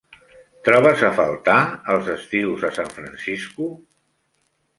Trobes a faltar els estius a San Francisco?